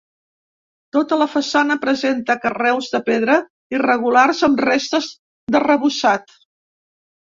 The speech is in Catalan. Tota la façana presenta carreus de pedra irregulars amb restes d'arrebossat.